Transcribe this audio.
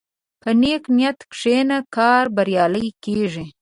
په نیک نیت کښېنه، کار بریالی کېږي.